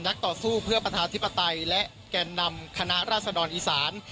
ต่อสู้เพื่อประชาธิปไตยและแก่นำคณะราษดรอีสาน